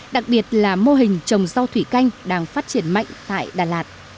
đặc biệt là mô hình trồng rau thủy canh đang phát triển mạnh tại đà lạt